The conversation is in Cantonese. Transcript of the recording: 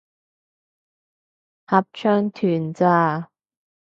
合唱團咋